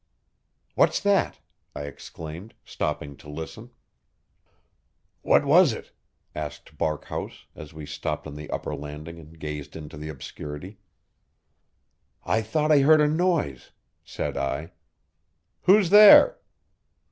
"What's that?" I exclaimed, stopping to listen. "What was it?" asked Barkhouse, as we stopped on the upper landing and gazed into the obscurity. "I thought I heard a noise," said I. "Who's there?"